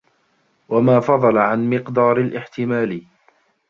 وَمَا فَضَلَ عَنْ مِقْدَارِ الِاحْتِمَالِ